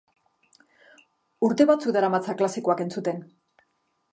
Urte batzuk daramatzat klasikoak entzuten.